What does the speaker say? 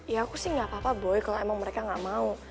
ya aku sih gak apa apa boy kalau emang mereka gak mau